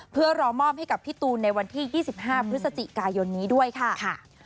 เพื่อรอมอบให้กับพี่ตูนในวันที่๒๕พฤศจิกายนนี้ด้วยค่ะ